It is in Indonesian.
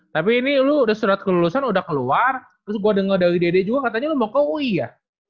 tapi ini lu udah surat kelulusan udah keluar terus gue denger dari dede juga katanya lomba ke oh iya